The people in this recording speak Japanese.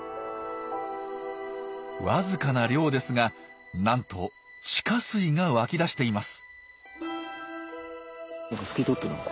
わずかな量ですがなんと地下水が湧き出しています。